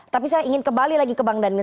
tapi saya ingin kembali lagi ke bang daniel